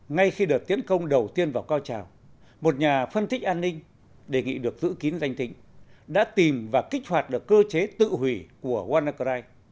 ngay khi đợt tiến công đầu tiên vào cao trào một nhà phân tích an ninh đề nghị được giữ kín danh tính đã tìm và kích hoạt được cơ chế tự hủy của wanacry